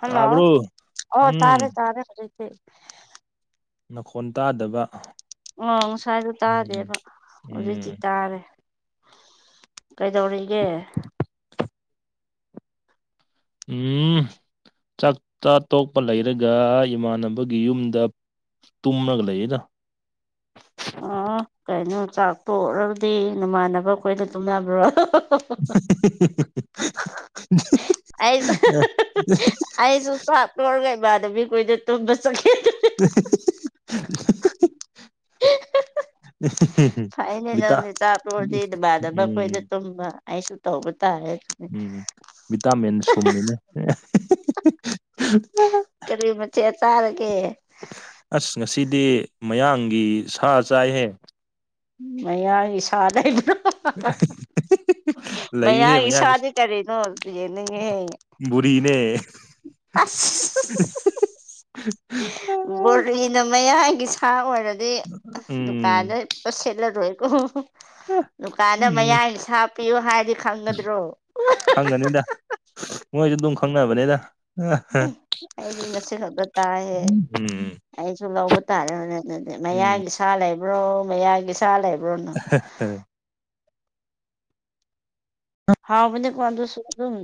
hello ꯇꯥꯕ꯭ꯔꯣ ꯑꯣ ꯇꯥꯔꯦ ꯎꯝ ꯇꯥꯔꯦ ꯍꯧꯖꯤꯛꯇꯤ ꯅꯈꯣꯟ ꯇꯥꯗꯕ ꯑꯣ ꯉꯁꯥꯏꯗꯣ ꯎꯝ ꯇꯥꯗꯦꯕ ꯍꯧꯖꯤꯛꯇꯤ ꯎꯝ ꯇꯥꯔꯦ ꯀꯩꯗꯧꯔꯤꯒꯦ ꯎꯝ ꯆꯥꯛ ꯆꯥ ꯇꯣꯛꯄ ꯂꯩꯔꯒ ꯏꯃꯥꯟꯅꯕꯒꯤ ꯌꯨꯝꯗ ꯇꯨꯝꯔꯒ ꯂꯩꯌꯦꯗ ꯑꯣ ꯀꯩꯅꯣ ꯆꯥꯛꯇꯣꯛꯔꯗꯤ ꯅꯃꯥꯟꯅꯕ ꯈꯣꯏꯗ ꯇꯨꯝꯅꯕ꯭ꯔꯣ [unintelligible] ꯑꯩ ꯑꯩꯁꯨ ꯆꯥꯛ ꯇꯣꯛꯔꯥꯒ ꯏꯃꯥꯅꯕꯤ ꯈꯣꯏꯗ ꯇꯨꯝꯕ ꯆꯠꯀꯦ [unintelligible] ꯐꯥꯏꯅꯦ ꯕꯤꯇꯥ ꯅꯪꯗꯤ ꯇꯣꯛꯔꯥꯗꯤ ꯅꯃꯥꯟꯕꯈꯣꯏꯗ ꯎꯝ ꯇꯨꯝꯕ ꯑꯩꯁꯨ ꯇꯧꯕ ꯇꯥꯔꯦ ꯎꯝ ꯚꯤꯇꯥꯃꯤꯟ ꯁꯨꯝꯃꯤꯅꯦ ꯀꯔꯤ ꯃꯆꯦꯠ ꯆꯥꯔꯒꯦ ꯑꯁ ꯉꯁꯤꯗꯤ ꯃꯌꯥꯡꯒꯤ ꯁꯥ ꯆꯥꯏꯍꯦ ꯃꯌꯥꯡꯒꯤ ꯁꯥ ꯂꯩꯕ꯭ꯔꯣ [unintelligible] ꯂꯩꯍꯦ ꯃꯌꯥꯡꯒꯤ ꯃꯌꯥꯡꯒꯤꯁ ꯁꯥꯗꯤ ꯀꯔꯤꯅꯣ ꯌꯦꯡꯅꯤꯡꯉꯦꯍꯦ ꯕꯨꯔꯤꯅꯦ ꯑꯁ [unintelligible] ꯕꯣꯔꯤꯅ ꯃꯌꯥꯡꯒꯤ ꯁꯥ ꯑꯣꯏꯔꯗꯤ ꯑꯁ ꯗꯨꯀꯥꯟꯗ ꯎꯝ ꯁꯤꯠꯂꯔꯣꯏꯀꯣ ꯗꯨꯀꯥꯟꯗ ꯎꯝ ꯃꯌꯥꯡꯒꯤ ꯁꯥ ꯄꯤꯌꯨ ꯍꯥꯏꯔꯗꯤ ꯈꯪ ꯈꯪꯒꯅꯤꯗ ꯃꯣꯏꯖꯨ ꯑꯗꯨꯝ ꯈꯪꯅꯕꯅꯤꯗ ꯑꯩꯗꯤ ꯉꯁꯤ ꯈꯛꯇ ꯇꯥꯏꯍꯦ ꯎꯝ ꯑꯩꯁꯨ ꯂꯧꯕ ꯇꯥꯔꯦꯅꯦ ꯑꯗꯨꯗꯤ ꯎꯝ ꯃꯌꯥꯡꯒꯤ ꯁꯥ ꯂꯩꯕ꯭ꯔꯣ ꯃꯌꯥꯡꯒꯤ ꯁꯥ ꯂꯩꯕ꯭ꯔꯣ [unintelligible] ꯍꯥꯎꯕꯅꯤꯀꯣ ꯑꯗꯨꯁꯨ ꯑꯗꯨꯝ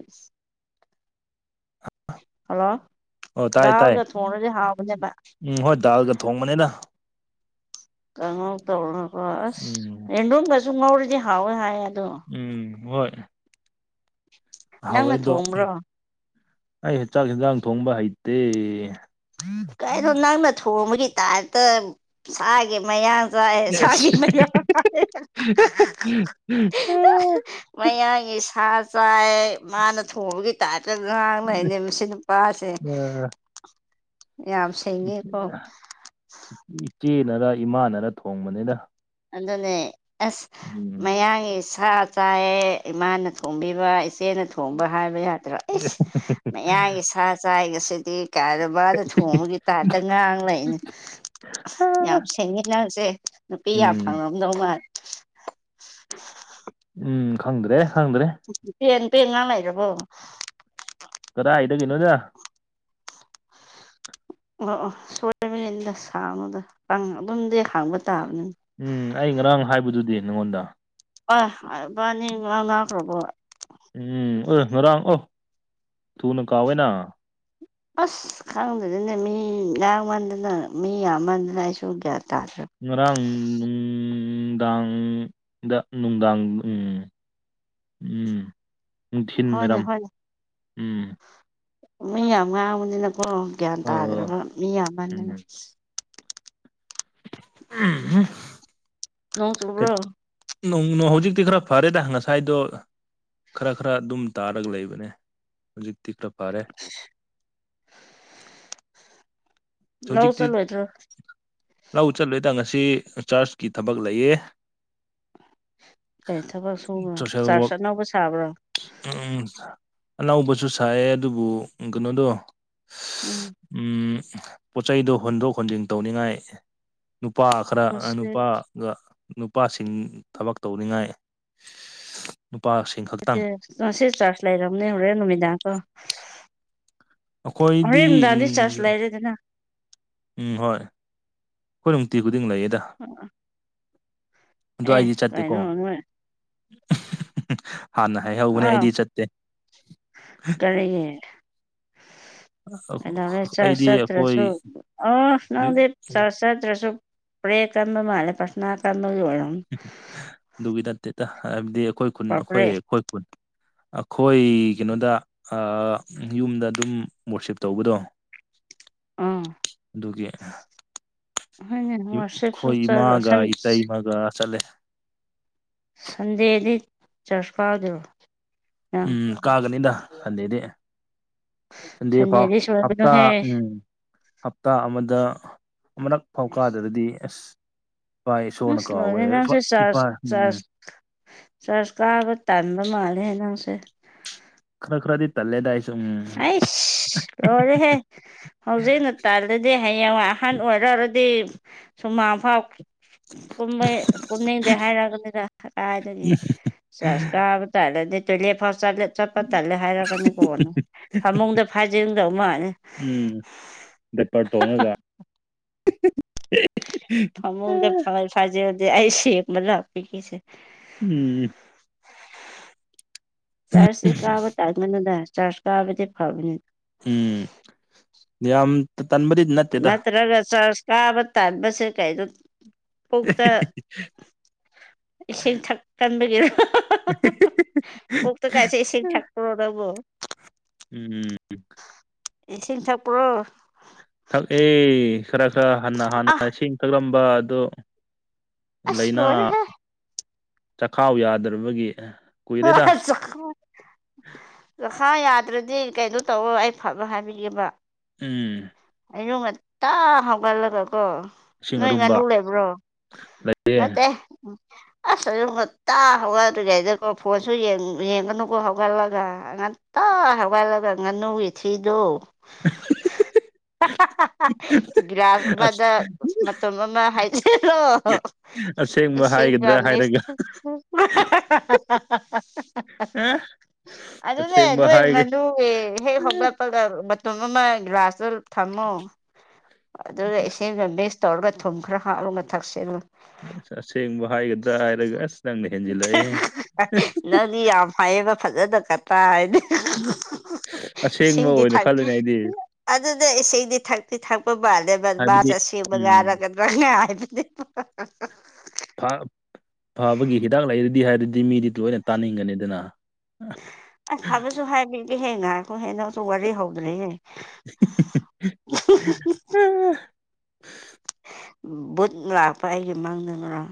ꯍꯜꯂꯣ ꯑꯣ ꯇꯥꯏ ꯇꯥꯏ ꯗꯥꯜꯒꯥ ꯊꯣꯡꯔꯗꯤ ꯍꯥꯎꯕꯅꯦꯕ ꯎꯝ ꯍꯣꯏ ꯗꯥꯜꯒ ꯊꯣꯡꯕꯅꯦꯗ ꯀꯥꯉꯧ ꯇꯧꯔꯒꯀꯣ ꯑꯁ ꯎꯝ ꯔꯦꯟꯗꯨꯝꯒꯥꯁꯨ ꯉꯧꯔꯗꯤ ꯍꯥꯎꯋꯦ ꯍꯥꯏ ꯑꯗꯣ ꯎꯝ ꯍꯣꯏ ꯍꯥꯎꯋꯦ ꯎꯝ ꯅꯪꯅ ꯑꯗꯣ ꯊꯣꯡꯕ꯭ꯔꯣ ꯑꯩ ꯆꯥꯛ ꯍꯤꯟꯖꯥꯡ ꯊꯣꯡꯕ ꯍꯩꯇꯦ ꯀꯩꯅꯣ ꯅꯪꯅ ꯊꯣꯡꯕꯒꯤ ꯇꯥꯏꯞꯇꯥ ꯁꯥꯒꯤ ꯃꯌꯥꯡ ꯆꯥꯏ ꯑ ꯁꯥꯒꯤ ꯃꯌꯥ ꯍꯥꯏ ꯃꯌꯥꯡꯒꯤ ꯁꯥ ꯆꯥꯏ ꯃꯥꯅ ꯊꯣꯡꯕꯒꯤ ꯇꯥꯏꯞꯇꯥ ꯉꯥꯡ ꯂꯩꯅꯦ ꯃꯁꯤ ꯅꯨꯄꯥꯁꯦ ꯌꯥꯝ ꯁꯦꯡꯉꯦꯀꯣ [inaudible] ꯏꯆꯦꯅꯔꯥ ꯏꯃꯥꯅꯔꯥ ꯊꯣꯡꯕꯅꯤꯗ ꯑꯗꯨꯅꯦ ꯑꯁ ꯃꯌꯥꯡꯒꯤ ꯁꯥ ꯆꯥꯥꯏꯌꯦ ꯏꯃꯥꯅ ꯊꯣꯡꯕꯤꯕ ꯏꯆꯦꯅ ꯊꯣꯡꯕ ꯍꯥꯏꯕ ꯌꯥꯗ꯭ꯔꯣ ꯏꯁ ꯃꯌꯥꯡꯒꯤ ꯁꯥ ꯆꯥꯏ ꯉꯁꯤꯗꯤ ꯀꯥꯏꯅ ꯃꯥꯅ ꯊꯣꯡꯕꯒꯤ ꯇꯥꯏꯞꯇꯥ ꯉꯥꯡ ꯂꯩꯩꯅꯦ ꯌꯥꯝ ꯁꯤꯡꯉꯤ ꯅꯪꯁꯦ ꯄꯤ ꯌꯥꯝ ꯎꯝ ꯐꯪꯉꯝꯗꯧ ꯃꯥꯜ ꯎꯝ ꯈꯪꯗ꯭ꯔꯦ ꯈꯪꯗ꯭ꯔꯦ ꯄꯦꯟ ꯄꯦꯟ ꯉꯥꯡ ꯂꯩꯔꯕꯣ ꯀꯗꯥꯏꯗꯒꯤꯅꯣꯗꯥ ꯑꯣ ꯑꯣ ꯁꯣꯏꯕꯅꯤꯟꯗ ꯁꯥꯎꯅꯨꯗ ꯄꯪ ꯑꯗꯨꯝꯗꯤ ꯈꯥꯡꯕ ꯇꯥꯕꯅꯤ ꯎꯝ ꯑꯩ ꯉꯔꯥꯡ ꯍꯥꯏꯕꯗꯨꯗꯤ ꯅꯪꯉꯣꯟꯗ ꯑꯥ ꯏꯕꯥꯅꯤ ꯉꯥꯡꯅꯈ꯭ꯔꯥꯕꯣ ꯎꯝ ꯑꯦ ꯉꯔꯥꯡ ꯑꯣ ꯊꯨꯅ ꯀꯥꯎꯋꯦꯅ ꯑꯁ ꯈꯪꯗ꯭ꯔꯦꯅꯦ ꯃꯤ ꯉꯥꯡꯃꯟꯗꯅ ꯃꯤ ꯌꯥꯝꯃꯟꯗꯅ ꯑꯩꯁꯨ ꯒ꯭ꯌꯥꯟ ꯇꯥꯗ꯭ꯔꯕ ꯉꯔꯥꯡ ꯅꯨꯡꯗꯥꯡꯗ ꯅꯨꯡꯗꯥꯡ ꯎꯝ ꯎꯝ ꯅꯨꯡꯊꯤꯟ ꯍꯣꯏꯅꯦ ꯋꯥꯏꯔꯝ ꯍꯣꯏꯅꯦ ꯎꯝ ꯃꯤ ꯌꯥꯝ ꯉꯥꯡꯕꯅꯤꯅꯀꯣ ꯒ꯭ꯌꯥꯟ ꯑꯣ ꯇꯥꯗ꯭ꯔꯕ ꯃꯤ ꯌꯥꯝꯃꯟꯗꯅ ꯎꯝ [inaudible] ꯅꯣꯡ ꯀꯩ- ꯆꯨꯕ꯭ꯔꯣ ꯅꯣꯡ ꯅꯣ ꯍꯧꯖꯤꯛꯇꯤ ꯈꯔ ꯐꯔꯦꯗ ꯉꯁꯥꯏꯗꯣ ꯈꯔ ꯈꯔ ꯑꯗꯨꯝ ꯇꯥꯔꯒ ꯂꯩꯕꯅꯦ ꯍꯧꯖꯤꯛꯇꯤ ꯈꯔ ꯐꯔꯦ [inaudible] ꯂꯧ ꯍꯧꯖꯤꯛꯇꯤ ꯆꯠꯂꯣꯏꯗ꯭ꯔꯣ ꯂꯧ ꯆꯠꯂꯦꯗ ꯉꯁꯤ ꯆꯥꯔꯖꯀꯤ ꯊꯕꯛ ꯂꯩꯌꯦ ꯀꯩ ꯊꯕꯛ ꯁꯨꯕꯅꯣ ꯁꯣꯁꯦꯜ ꯋꯥꯔꯛ ꯆꯥꯔꯁ ꯑꯅꯧꯕ ꯁꯥꯕ꯭ꯔꯥ ꯎꯝ ꯑꯅꯧꯕꯁꯨ ꯁꯥꯏꯌꯦ ꯑꯗꯨꯕꯨ ꯀꯩꯅꯣꯗꯣ ꯎꯝ ꯎꯝ ꯄꯣꯠꯆꯩꯗꯣ ꯍꯣꯟꯗꯣꯛ ꯍꯣꯟꯖꯤꯟ ꯇꯧꯅꯤꯡꯉꯥꯏ ꯅꯨꯄꯥ ꯈꯔ ꯅꯨꯄꯥ ꯉꯁꯤ ꯒ ꯅꯨꯄꯥꯁꯤꯡ ꯊꯕꯛ ꯇꯧꯅꯤꯡꯉꯥꯏ ꯅꯨꯄꯥ ꯆ ꯉꯁꯦ ꯆꯔꯁ ꯂꯩꯔꯝꯅꯦ ꯍꯣꯔꯦꯟ ꯅꯨꯃꯤꯗꯥꯡ ꯀꯣ ꯑꯩꯈꯣꯏꯗꯤ ꯍꯣꯔꯦꯟ ꯅꯨꯗꯥꯡꯗꯤ ꯆꯥꯔꯁ ꯎꯝ ꯂꯩꯔꯦꯗꯅ ꯎꯝ ꯍꯣꯏ ꯈꯣꯏ ꯅꯨꯡꯇꯤ ꯈꯨꯗꯤꯡ ꯂꯩꯌꯦꯗ [unintelligible] ꯑꯗꯣ ꯑꯦ ꯑꯩꯗꯤ ꯆꯥꯇꯦꯀꯣ ꯀꯩꯅꯣ ꯅꯣꯏ ꯍꯥꯟꯅ ꯍꯥꯏꯍꯧꯕꯅꯦ ꯑꯩꯗꯤ ꯆꯠꯇꯦ [unintelligible] ꯀꯗꯧꯔꯦ ꯆꯔꯖ ꯑꯩꯗꯤ ꯑꯩꯈꯣꯏ ꯆꯇ꯭ꯔꯁꯨ ꯑꯣ ꯅꯪꯗꯤ ꯆꯔꯖ ꯆꯇ꯭ꯔꯁꯨ ꯄ꯭ꯔꯦ ꯀꯟꯕ ꯃꯥꯂꯦ ꯄꯔꯊꯅꯥ ꯀꯟꯕꯒꯤ ꯑꯣꯢꯔꯝ ꯑꯗꯨꯒꯤ ꯅꯠꯇꯦꯗ ꯍꯥꯏꯕꯗꯤ ꯑꯈꯣꯏ ꯈꯨꯟ ꯑꯈꯣꯏ ꯄ꯭ꯔꯦ ꯑꯈꯣꯏ ꯈꯨꯟ ꯑꯈꯣꯏ ꯀꯩꯅꯣꯗ ꯑ ꯌꯨꯝꯗ ꯑꯗꯨꯝ ꯋꯣꯔꯁꯤꯞ ꯇꯧꯕꯗꯣ ꯎꯝ ꯗꯨꯒꯤ ꯍꯣꯏꯅꯦ ꯋꯥꯔꯁꯤꯞꯁꯨ ꯈꯣꯏ ꯆꯠ ꯏꯃꯥꯒ ꯁꯟ ꯏꯇꯩꯃꯒ ꯆꯂꯦ ꯁꯟꯗꯦꯗꯤ ꯆꯔꯆ ꯀꯥꯗ꯭ꯔꯣ ꯅꯪ ꯎꯝ ꯀꯥꯒꯅꯤꯗ ꯁꯟꯗꯦꯗꯤ ꯁꯟꯗꯦ ꯐꯥꯎ ꯁꯟꯗꯦꯗꯤ ꯍꯞꯇꯥ ꯁꯣꯏꯕꯅꯨꯍꯦ ꯎꯝ ꯍꯞꯇꯥ ꯑꯃꯗ ꯑꯃꯔꯛ ꯐꯥꯎ ꯀꯥꯗ꯭ꯔꯒꯗꯤ ꯑꯁ ꯏꯄꯥ ꯏꯁꯣꯔꯅ ꯏꯁ ꯂꯣꯢꯔꯦ ꯀꯥꯎꯋꯦ ꯏꯄꯥ ꯅꯪꯁꯦ ꯏꯄꯥ ꯆꯥꯔꯖ ꯎꯝ ꯆꯥꯔꯖ ꯆꯔꯁ ꯀꯥꯕ ꯇꯟꯕ ꯃꯥꯜꯂꯦ ꯅꯪꯁꯦ ꯈꯔ ꯈꯔꯗꯤ ꯇꯜꯂꯦꯗ ꯑꯩꯁꯨ ꯎꯝ ꯂꯣꯔꯦꯍꯦ ꯍꯧꯖꯤꯛꯅ ꯇꯜꯂꯗꯤ ꯍꯌꯦꯡꯋꯥ ꯑꯍꯟ ꯑꯣꯏꯔꯕꯗꯤ ꯁꯨꯃꯥꯡ ꯐꯥꯎ ꯀꯨꯝꯕꯩ ꯀꯨꯝꯅꯤꯡꯗꯦ ꯍꯥꯏꯔꯒꯅꯤꯅ ꯀꯗꯥꯥꯏꯗꯒꯤ ꯆꯁ ꯀꯥꯕ ꯇꯥꯜꯂꯗꯤ ꯇꯣꯢꯂꯦ ꯐꯥꯎ ꯆꯂ ꯆꯞꯄꯇꯂꯦ ꯍꯥꯏꯔꯒꯅꯤ ꯀꯣ ꯎꯝ ꯕꯦꯇꯔ ꯇꯣꯡꯉꯒ ꯐꯃꯨꯡꯗ ꯐ ꯐꯖꯤꯂꯗꯤ ꯑꯩ ꯁꯦꯡꯕ ꯂꯥꯛꯄꯤꯒꯦꯁꯦ ꯎꯝ ꯆꯥꯔꯆꯁꯤ ꯀꯥꯕ ꯇꯥꯟꯒꯅꯨꯗ ꯆꯥꯔꯆ ꯀꯥꯕꯗꯤ ꯐꯕꯅꯤ ꯎꯝ ꯌꯥꯝ ꯇꯟꯕꯗꯤ ꯅꯠ ꯅꯠꯇ꯭ꯔꯒ ꯆꯥꯔꯆ ꯀꯥꯕ ꯇꯟꯕꯁꯦ ꯀꯩꯗꯣ ꯄꯨꯛꯇ ꯏꯁꯤꯡ ꯊꯛꯀꯟꯕꯒꯤꯔ [unintelligible] ꯄꯨꯛꯇ ꯀꯥꯏꯁꯦ ꯢꯁꯤꯡ ꯊꯥꯛꯄ꯭ꯔꯣ ꯅꯪꯕꯣ ꯎꯝ ꯏꯁꯤꯡ ꯊꯛꯄ꯭ꯔꯣ ꯊꯛ ꯑꯦ ꯈꯔ ꯈꯔ ꯍꯟꯅ ꯍꯥꯟꯅ ꯑꯥ ꯏꯁꯤꯡ ꯊꯛꯂꯝꯕ ꯑꯗꯨ ꯑꯁ ꯂꯩꯅꯥ ꯂꯣꯏꯔꯦꯍꯦ ꯆꯥꯈꯥꯎ ꯌꯥꯗ꯭ꯔꯕꯒꯤ ꯀꯨꯏꯔꯦꯗ [unintelligible] ꯆꯈꯥꯎ ꯆꯈꯥꯎ ꯌꯥꯗ꯭ꯔꯗꯤ ꯀꯩꯅꯣ ꯇꯧꯋꯣ ꯑꯩ ꯐꯕ ꯍꯥꯏꯕꯤꯒꯦꯕ ꯎꯝ ꯑꯌꯨꯛ ꯉꯟꯇꯥ ꯍꯥꯎꯒꯠꯂꯒ ꯀꯣ ꯏꯁꯤꯡ ꯅꯣꯏ ꯑꯔꯨꯝꯕ ꯉꯥꯅꯨ ꯂꯩꯕ꯭ꯔꯣ ꯂꯩꯌꯦ ꯅꯠꯇꯦ ꯑꯁ ꯑꯌꯨꯛ ꯉꯟꯇꯥ ꯍꯧꯒꯠꯇ꯭ꯔꯤꯉꯩꯗꯀꯣ ꯐꯣꯟꯁꯨ ꯌꯦꯡ ꯌꯦꯡꯒꯅꯨꯀꯣ ꯍꯧꯒꯠꯂꯒ ꯉꯟ ꯇꯥ ꯍꯧꯒꯠꯂꯒ ꯉꯥꯅꯨꯒꯤ ꯊꯤꯗꯣ [unintelligible] ꯍꯥꯍꯥꯍꯥ ꯒꯤꯔꯥꯁ ꯑꯁ ꯑꯃꯗ ꯃꯇꯨꯝ ꯑꯃ ꯍꯥꯏꯖꯤꯜꯂꯣ ꯑꯁꯦꯡꯕ ꯏꯁꯤꯡꯒ ꯍꯥꯏꯒꯗ꯭ꯔꯥ ꯍꯥꯏꯔꯒ ꯃꯤꯛꯁ [unintelligible] ꯍꯥ ꯍꯥ ꯍꯥ ꯍꯥ ꯑꯗꯨꯅꯦ ꯑꯁꯦꯡꯕ ꯅꯣꯏ ꯍꯥꯏꯒ ꯉꯥꯅꯨꯒꯤ ꯍꯦꯛ ꯍꯧꯒꯠ ꯄꯒ ꯃꯇꯨꯝ ꯑꯃ ꯒꯤꯂꯥꯁꯇ ꯊꯝꯃꯣ ꯑꯗꯨꯒ ꯏꯁꯤꯡꯒ ꯃꯤꯛꯁ ꯇꯧꯔꯒ ꯊꯨꯝ ꯈꯔ ꯍꯥꯞꯂꯒ ꯊꯛꯁꯤꯜꯂꯨ ꯑꯁ ꯑꯁꯦꯡꯕ ꯍꯥꯏꯒꯗ꯭ꯔꯥ ꯍꯥꯏꯔꯒ ꯑꯁ ꯅꯪꯅ ꯍꯦꯟꯖꯤꯜꯂꯛꯑꯦꯍꯦ ꯅꯪꯗꯤ ꯌꯥꯝ ꯐꯥꯏꯌꯦꯕ ꯐꯖꯅꯀ ꯇꯥꯏꯌꯦꯅꯦ ꯑꯁꯦꯡꯕ ꯑꯣꯏꯅ ꯊꯛ ꯈꯜꯂꯨꯏꯅꯦ ꯑꯩꯗꯤ ꯑꯗꯨꯅꯦ ꯏꯁꯤꯡꯗꯤ ꯊꯛꯇꯤ ꯊꯛꯄ ꯃꯥꯜꯂꯦꯕ ꯍꯥꯏꯕꯗꯤ ꯃꯥꯁꯦ ꯑꯁꯦꯡꯕ ꯎꯝ ꯉꯥꯡꯂꯒ ꯅꯪꯅ ꯍꯥꯏꯕꯗꯤ [unintelligible] ꯐꯥꯞ ꯐꯕꯒꯤ ꯍꯤꯗꯥꯛ ꯂꯩꯔꯗꯤ ꯍꯥꯏꯔꯗꯤ ꯃꯤꯗꯤ ꯂꯣꯏꯅ ꯇꯥꯅꯤꯡꯒꯅꯤꯗꯅ ꯑꯁ ꯐꯕꯁꯨ ꯍꯥꯏꯕꯤꯒꯦꯍꯦ ꯉꯥꯏꯈꯣ ꯍꯦ ꯅꯪꯁꯨ ꯋꯥꯔꯤ ꯍꯧꯗ꯭ꯔꯤꯍꯦ [unintelligible] [unintelligible] ꯚꯨꯠ ꯂꯥꯛꯄ ꯑꯩꯒꯤ ꯃꯥꯡꯗ ꯉꯔꯥꯡ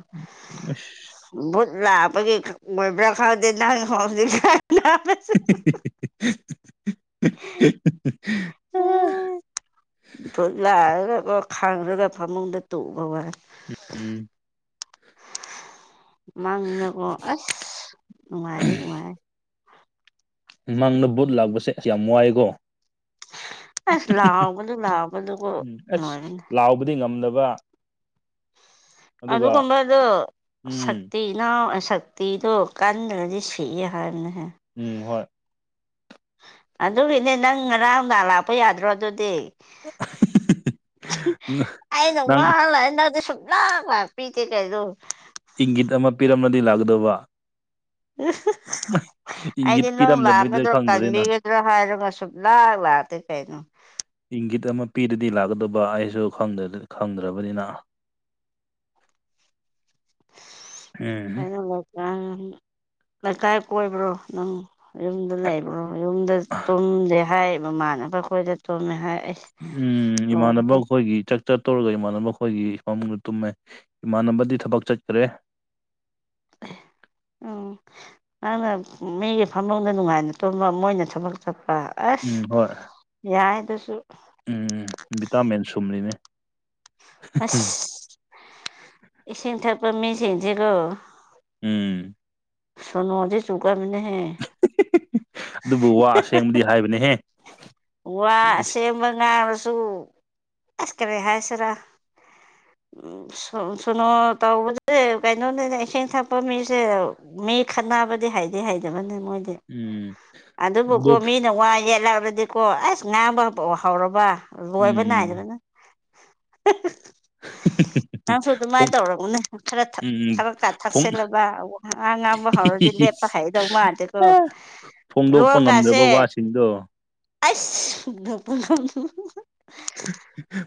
ꯑꯁ ꯕꯨꯠ ꯂꯥꯛꯄꯒꯤ ꯑꯣꯏꯕ꯭ꯔ ꯈꯡꯗꯦ ꯅꯪ ꯍꯩꯖꯤꯛ ꯁ꯭ꯋꯥꯏꯗ [unintelligible] [unintelligible] [unintelligible] ꯑꯦ ꯚꯨꯠ ꯂꯥꯛꯑꯒꯀꯣ ꯈꯥꯡꯔꯒ ꯐꯃꯨꯡꯗ ꯇꯨꯝꯕ ꯋꯥꯅꯦ ꯎꯝ ꯃꯪꯅꯀꯣ ꯑꯁ ꯅꯨꯡꯉꯥꯏꯗꯤ ꯅꯨꯡꯉꯥꯏꯔꯦ ꯃꯡꯗ ꯚꯨꯠ ꯂꯥꯛꯄꯁꯦ ꯑꯁ ꯌꯥꯝ ꯋꯥꯏꯀꯣ ꯑꯁ ꯂꯥꯎꯕꯗꯨ ꯂꯥꯎꯕꯗꯨꯀꯣ ꯎꯝ ꯑꯁ ꯂꯣꯏꯔꯦꯅꯦ ꯂꯥꯎꯕꯗꯤ ꯉꯝꯗꯕ ꯑꯗꯨꯒ ꯑꯗꯨꯒꯨꯝꯕꯗꯣ ꯎꯝ ꯁꯛꯇꯤ ꯅꯥꯎ ꯑ ꯁꯛꯇꯤꯗꯣ ꯀꯥꯟꯗ꯭ꯔꯗꯤ ꯁꯤꯌꯦ ꯍꯥꯏꯕꯅꯦꯍꯦ ꯎꯝ ꯍꯣꯏ ꯑꯗꯨꯒꯤꯅꯦ ꯅꯪ ꯉꯔꯥꯡ ꯅꯨꯡꯗꯥꯡ ꯂꯥꯛꯄ ꯌꯥꯗ꯭ꯔꯣ ꯑꯗꯨꯗꯤ ꯑꯩ ꯅ ꯅꯪ ꯋꯥꯅ ꯂꯥꯛꯑꯦ ꯅꯪꯗꯤ ꯁꯨ ꯂꯥꯛ ꯂꯥꯛꯄꯤꯇꯦ ꯀꯩꯅꯣ ꯏꯪꯒꯤꯠ ꯑꯃ ꯄꯤꯔꯝꯂꯗꯤ ꯂꯥꯛꯀꯗꯧꯕ ꯏꯪꯒꯤꯠ ꯑꯩꯗꯤ ꯅꯪ ꯄꯤꯔꯝꯗꯕꯤꯗ ꯂꯥꯟꯕꯗꯣ ꯈꯪꯗ꯭ꯔꯦꯅ ꯇꯟꯕꯒꯤ ꯍꯥꯏꯔꯒ ꯁꯨꯛ ꯂꯥꯛ ꯂꯥꯛꯇꯦ ꯀꯩꯅꯣ ꯏꯪꯒꯤꯠ ꯑꯃ ꯄꯤꯔꯗꯤ ꯂꯥꯛꯀꯗꯕ ꯑꯩꯁꯨ ꯈꯪꯗ꯭ꯔ ꯈꯪꯗ꯭ꯔꯕꯅꯤꯅ ꯎꯝꯍꯝ ꯀꯩꯅꯣ ꯂꯩꯀꯥꯏ ꯀꯣꯏꯕ꯭ꯔꯣ ꯅꯪ ꯌꯨꯝꯗ ꯂꯩꯕ꯭ꯔꯣ ꯌꯨꯝꯗ ꯇꯨꯝꯗꯦ ꯍꯥꯏꯌ ꯃꯃꯥꯟꯅꯕ ꯈꯣꯏꯗ ꯇꯨꯝꯃꯦ ꯍꯥꯏ ꯑꯩꯁ ꯎꯝ ꯏꯃꯥꯟꯅꯕ ꯂꯣꯏꯔꯦꯍꯦ ꯈꯣꯏꯒꯤ ꯆꯠ ꯆꯠꯇꯧꯔꯒ ꯏꯃꯥꯟꯅꯕ ꯑꯩꯈꯣꯏꯒꯤ ꯐꯃꯨꯡꯗ ꯇꯨꯝꯃꯦ ꯏꯃꯥꯟꯅꯕꯗꯤ ꯊꯕꯛ ꯆꯠꯈ꯭ꯔꯦ ꯎꯝ ꯅꯪꯅ ꯃꯤꯒꯤ ꯐꯃꯨꯡꯗ ꯅꯨꯡꯉꯥꯏꯅ ꯇꯨꯝꯕ ꯃꯣꯏꯅ ꯊꯕꯛ ꯆꯠꯄ ꯑꯁ ꯎꯝ ꯍꯣꯏ ꯌꯥꯏꯗꯨꯁꯨ ꯎꯝ ꯚꯤꯇꯥꯃꯤꯟ ꯁꯨꯝꯔꯤꯅꯦ ꯑꯁ ꯏꯁꯤꯡ ꯊꯛꯄ ꯃꯤꯁꯤꯡꯁꯤꯀꯣ ꯎꯝ ꯁꯣꯅꯣꯗꯤ ꯆꯨꯒꯟꯕꯅꯤꯍꯦ ꯑꯗꯨꯕꯨ ꯋꯥ ꯑꯁꯦꯡꯕꯗꯤ ꯍꯥꯏꯕꯅꯦꯍꯦ ꯋꯥ ꯏꯁ ꯑꯁꯦꯡꯕ ꯉꯥꯡꯔꯁꯨ ꯑꯁ ꯀꯔꯤ ꯍꯥꯏꯁꯤꯔ ꯁꯣꯅꯣ ꯇꯧꯕꯁꯦ ꯀꯩꯅꯣꯅꯦ ꯏꯁꯤꯡ ꯊꯛꯄ ꯃꯤꯁꯦ ꯃꯤ ꯈꯠꯅꯕꯗꯤ ꯍꯩꯗꯤ ꯍꯩꯗꯕꯅꯦ ꯃꯣꯏꯗꯤ ꯎꯝ ꯑꯗꯨꯕꯨꯀꯣ ꯑꯗꯨꯞ ꯃꯤꯅ ꯋꯥ ꯌꯦꯠꯂꯛꯑꯕꯗꯤꯀꯣ ꯑꯁ ꯉꯥꯡꯕꯥꯎ ꯍꯧꯔꯕ ꯂꯣꯏꯕ ꯎꯝ ꯅꯥꯏꯗꯕꯅ ꯅꯪꯁꯨ ꯑꯗꯨꯃꯥꯏꯅ ꯐꯣꯡ ꯇꯧꯔꯝꯒꯅꯦ ꯈꯔ ꯊꯛ ꯎꯝ ꯎꯝ ꯈꯔ꯭ꯒ ꯐꯣꯡ ꯊꯛꯆꯜꯂꯕ ꯋꯥ ꯉꯥꯡꯕ ꯍꯧꯔꯗꯤ ꯂꯦꯞꯄ ꯍꯩꯗꯧ ꯃꯥꯟꯗꯦꯀꯣ ꯐꯣꯡꯗꯣꯛꯄ ꯂꯣꯟ ꯉꯝꯗ꯭ꯔꯕ ꯀꯥꯁꯦ ꯋꯥꯁꯤꯡꯗꯣ ꯑꯁ [unintelligible]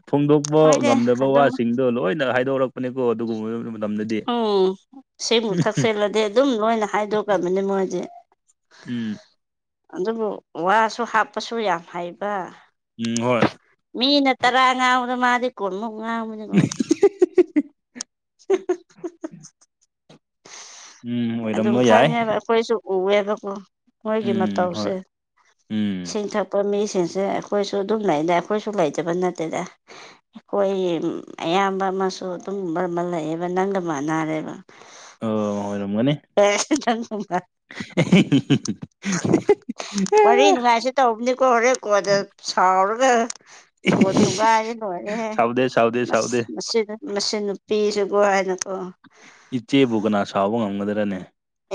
ꯐꯣꯡꯗꯣꯛꯄ ꯍꯣꯏꯅꯦ ꯉꯝꯗꯕ ꯑꯗꯨꯝ ꯋꯥꯁꯤꯡꯗꯣ ꯂꯣꯏꯅ ꯍꯥꯏꯗꯣꯔꯛ ꯎꯝ ꯁꯤꯃꯨꯛ ꯊꯛꯆꯜꯂꯗꯤ ꯑꯗꯨꯝ ꯂꯣꯏꯅ ꯍꯥꯏꯗꯣꯛꯂꯕꯅꯤ ꯃꯣꯏꯗꯤ ꯎꯝ ꯑꯗꯨꯕꯨ ꯋꯥꯁꯨ ꯍꯥꯞꯄꯁꯨ ꯌꯥꯝ ꯍꯩꯕ ꯎꯝ ꯍꯣꯏ ꯃꯤꯅ ꯇꯔꯥ ꯉꯥꯡꯕꯗ ꯃꯥꯗꯤ ꯀꯨꯟꯃꯨꯛ ꯉꯥꯡꯕꯅꯤꯉꯣ [unintelligible] ꯎꯝ ꯑꯗꯨꯝ ꯑꯣꯏꯔꯝꯕ ꯌꯥꯏ ꯈꯪꯉꯦꯕ ꯑꯩꯈꯣꯏꯁꯨ ꯎꯋꯦꯕꯀꯣ ꯃꯣꯏꯒꯤ ꯎꯝ ꯍꯣꯏ ꯃꯇꯧꯁꯦ ꯎꯝ ꯁꯤꯡꯊꯛ ꯄ ꯃꯤꯁꯤꯡꯁꯦ ꯑꯩꯈꯣꯏꯁꯨ ꯑꯗꯨꯝ ꯂꯩꯗ ꯑꯩꯈꯣꯏꯁꯨ ꯂꯩꯇꯕ ꯅꯠꯇꯦꯗ ꯈꯣꯏ ꯑꯌꯥꯝꯕ ꯑꯃꯁꯨ ꯑꯗꯨꯝ ꯃꯔꯝ ꯑꯃ ꯂꯩꯌꯦꯕ ꯅꯪꯒ ꯃꯥꯟꯅꯔꯦꯕ ꯑꯣ ꯑꯣꯏꯔꯝꯒꯅꯤ [unintelligible] [unintelligible] ꯋꯥꯔꯤ ꯅꯨꯡꯉꯥꯏꯁꯦ ꯇꯧꯕꯅꯦꯀꯣ ꯔꯦꯀꯣꯔꯗ ꯁꯥꯎꯔꯒ ꯐꯣꯟ ꯊꯨꯒꯥꯏꯔꯗꯤ ꯂꯣꯏꯔꯦꯍꯦ ꯁꯥꯎꯗꯦ ꯁꯥꯎꯗꯦ ꯃꯁ ꯁꯥꯎꯗꯦ ꯃꯁꯤ ꯃꯁꯤ ꯅꯨꯄꯤꯁꯦꯕꯣ ꯍꯥꯏꯅꯀꯣ ꯏꯆꯦꯕꯨ ꯀꯅꯥ ꯁꯥꯎꯕ ꯉꯝꯒꯗ꯭ꯔꯅꯦ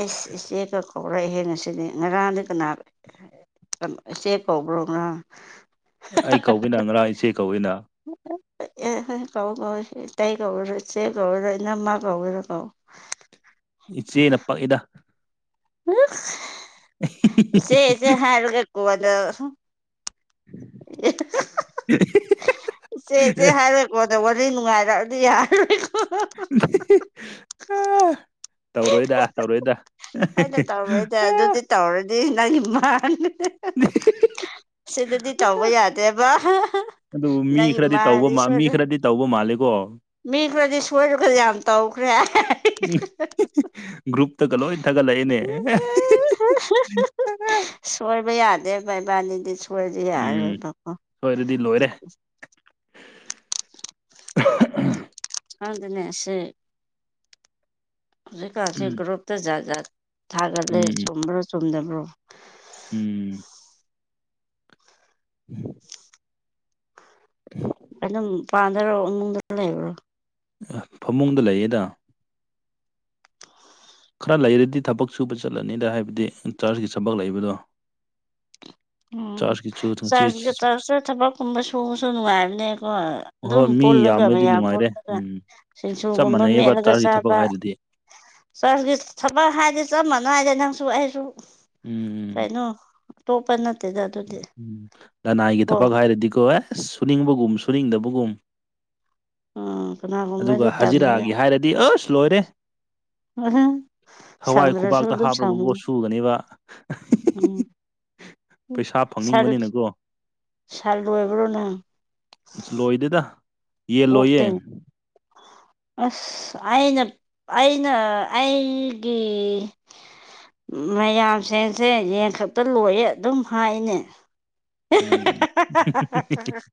ꯑꯦꯁ ꯏꯆꯦ ꯀꯥ ꯀꯧꯔꯛꯑꯦꯍꯦ ꯉꯁꯤꯗꯤ ꯉꯔꯥꯡꯗ ꯀꯅꯥꯔ ꯑꯥ ꯏꯆꯦ ꯀꯧꯕꯔꯣ ꯉꯔꯥꯡ ꯑꯩ ꯀꯧꯒꯤꯅ ꯉꯔꯥꯡ ꯏꯆꯦ ꯀꯧꯋꯤꯅ ꯑꯦ ꯍꯣꯏ ꯀꯧ ꯀꯧ ꯏꯇꯩ ꯀꯧꯒꯦꯔꯣ ꯏꯆꯦ ꯀꯧꯒꯦꯔꯣ ꯏꯅꯝꯃꯥ ꯀꯧꯒꯦꯔꯣ ꯀꯧ ꯏꯆꯦꯅ ꯄꯛꯏꯗ ꯑꯍ ꯏꯆꯦ ꯏꯆꯦ ꯍꯥꯏꯔꯒ ꯀꯣꯟꯅꯥ ꯑꯦ ꯍꯥ ꯍꯥ ꯏꯆꯦ ꯏꯆꯦ ꯍꯥꯏꯔ ꯀꯣꯟꯅ ꯋꯥꯔꯤ ꯅꯨꯡꯉꯥꯏꯔꯛꯑꯗꯤ ꯌꯥꯔꯣꯏꯀꯣ ꯏꯍꯤ ꯍꯤ ꯑꯥ ꯇꯧꯔꯣꯏꯗ ꯇꯧꯔꯣꯏꯗ ꯍꯣꯏꯗ ꯇꯧꯔꯣꯏꯗ ꯑꯗꯨꯗꯤ ꯇꯧꯔꯗꯤ ꯅꯪꯒꯤ ꯃꯥꯡ ꯑꯍꯥ ꯍꯥ ꯍꯥ ꯁꯤꯗꯗꯤ ꯇꯧꯕ ꯌꯥꯗꯦꯕ ꯍꯥ ꯍꯥ ꯑꯗꯨꯕꯨ ꯃꯤ ꯈꯔꯗꯤ ꯇꯧꯕ ꯃꯟ ꯃꯤ ꯈꯔꯗꯤ ꯇꯧꯕ ꯃꯥꯜꯂꯦ ꯏꯀꯣ ꯃꯤ ꯈꯔꯗꯤ ꯁꯣꯏꯔꯒ ꯌꯥꯝ ꯇꯧꯈ꯭ꯔꯦ ꯍꯥꯏ ꯍ ꯍꯥ ꯎꯨ ꯍꯤ ꯍꯤ ꯒ꯭ꯔꯨꯞꯇꯒ ꯂꯣꯏ ꯊꯥꯒꯠꯂꯛꯑꯦꯅꯦ ꯑꯦ ꯍꯦ ꯍꯦ ꯑꯥ ꯁꯣꯏꯕ ꯌꯥꯗꯦꯕ ꯏꯕꯥꯅꯤꯗꯤ ꯁꯣꯏꯕ ꯎꯝ ꯌꯥꯔꯣꯏꯕꯀꯣ ꯁꯣꯏꯔꯗꯤ ꯂꯣꯏꯔꯦ ꯎꯨ ꯈꯪꯗꯦꯅꯦ ꯑꯁꯦ ꯍꯧꯖꯤꯛꯀꯥꯟꯁꯦ ꯒ꯭ꯔꯨꯞꯇ ꯖꯥꯠ ꯖꯥꯠ ꯊꯥꯒꯠꯂꯦ ꯆꯨꯝꯕ꯭ꯔꯣ ꯆꯨꯝꯗꯕ꯭ꯔꯣ ꯎꯨꯝ [inaudible] [inaudible] ꯑꯗꯨꯝ ꯄꯥꯟꯗꯔꯣ ꯏꯃꯨꯡꯗ ꯂꯩꯕ꯭ꯔꯣ ꯐꯃꯨꯡꯗ ꯂꯩꯌꯦꯗ ꯈꯔ ꯂꯩꯔꯗꯤ ꯊꯕꯛ ꯁꯨꯕ ꯆꯠꯂꯅꯤꯗ ꯍꯥꯏꯕꯗꯤ ꯆꯥꯔꯖꯀꯤ ꯊꯕꯛ ꯂꯩꯕꯗꯣ ꯎꯝ ꯆꯥꯔꯖꯀꯤꯁꯨ ꯆꯔ ꯊꯣꯡꯁꯤ ꯆꯔꯖ ꯊꯕꯛꯀꯨꯝꯕ ꯁꯨꯕꯁꯨ ꯅꯨꯡꯉꯥꯏꯕꯅꯦꯀꯣ ꯑꯗꯨꯝ ꯍꯣꯏ ꯃꯤ ꯄꯨꯜꯂꯒ ꯌꯥꯝꯕꯗꯤ ꯃꯌꯥꯝ ꯅꯨꯡꯉꯥꯏꯔꯦ ꯄꯨꯜꯂꯒ ꯎꯝ ꯆꯞ ꯁꯤꯡꯁꯨꯨꯒꯨꯝꯕ ꯃꯥꯟꯅꯩꯌꯦꯕ ꯃꯦꯠꯂꯒ ꯆꯥꯔꯖꯀꯤ ꯊꯕꯛ ꯆꯥꯕ ꯍꯥꯏꯔꯗꯤ ꯆꯔꯖꯒꯤ ꯊꯕꯛ ꯍꯥꯏꯗꯤ ꯆꯞ ꯃꯥꯟꯅꯩꯗ ꯅꯪꯁꯨ ꯑꯩꯁꯨ ꯎꯝ ꯀꯩꯅꯣ ꯑꯇꯣꯞꯄ ꯅꯠꯇꯦꯗ ꯑꯗꯨꯗꯤ ꯎꯨ ꯂꯅꯥꯏꯒꯤ ꯀꯣ ꯊꯕꯛ ꯍꯥꯏꯔꯗꯤꯀꯣ ꯑꯦꯁ ꯁꯨꯅꯤꯡꯕꯒꯨꯝ ꯁꯨꯅꯤꯡꯗꯕꯒꯨꯝ ꯎꯝ ꯀꯅꯥꯒꯨꯝꯕꯗꯤ ꯑꯗꯨꯒ ꯇꯝꯕ ꯍꯖꯤꯔꯥꯒꯤ ꯍꯥꯏꯔꯗꯤ ꯑꯁ ꯂꯣꯏꯔꯦ [inaudible] ꯊꯋꯥꯏ ꯁꯪꯗ꯭ꯔꯁꯨ ꯈꯨꯕꯥꯛꯇ ꯑꯗꯨꯝ ꯍꯥꯞꯂꯒꯀꯣ ꯁꯪꯕꯅꯤ ꯁꯨꯒꯅꯤꯕ ꯑꯍꯥ ꯍ ꯎꯝ ꯄꯩꯁꯥ ꯐꯪꯅꯤꯡꯕꯅꯤꯅꯀꯣ ꯁꯜ ꯂꯣꯏꯕ꯭ꯔꯣ ꯅꯪ ꯂꯣꯏꯗꯦꯗ ꯌꯦꯟ ꯑꯣꯛꯇꯤ [inaudible] ꯑꯁ ꯑꯩꯅ ꯑꯩꯅ ꯑꯩꯒꯤ ꯃꯌꯥꯝꯁꯤꯡꯁꯦ ꯌꯦꯟꯈꯛꯄ ꯂꯣꯏꯌꯦ ꯑꯗꯨꯝ ꯍꯥꯏꯅꯦ [unintelligible]